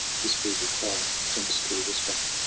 His feeble cry Sinks to a whisper.